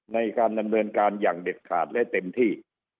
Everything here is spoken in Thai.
ในการดำเนินการอย่างเด็ดขาดและเต็มที่